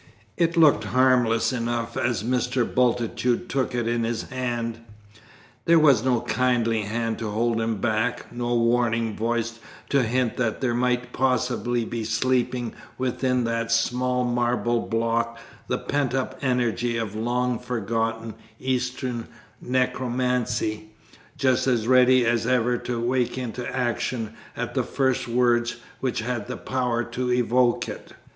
It looked harmless enough as Mr. Bultitude took it in his hand; there was no kindly hand to hold him back, no warning voice to hint that there might possibly be sleeping within that small marble block the pent up energy of long forgotten Eastern necromancy, just as ready as ever to awake into action at the first words which had power to evoke it.